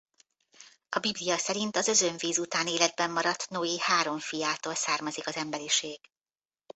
A Biblia szerint az özönvíz után életben maradt Noé három fiától származik az emberiség.